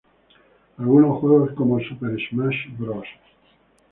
Algunos juegos como Super Smash Bros.